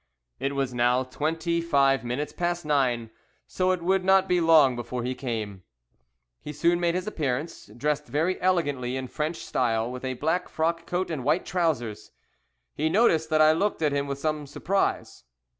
It was now twenty five minutes past nine, so it would not be long before he came. He soon made his appearance, dressed very elegantly in French style, with a black frock coat and white trowsers. He noticed that I looked at him with some surprise.